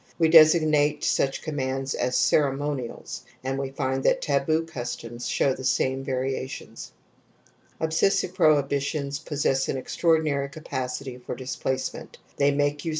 We designate V such commands as * ceremonials ' and we find that taboo customs show the same variations, r Obsessive prohibitions possess an extraordi nary capacity for displacement ; they make use